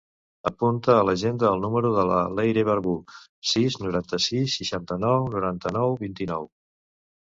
Apunta a l'agenda el número de la Leire Barbu: sis, noranta-sis, seixanta-nou, noranta-nou, vint-i-nou.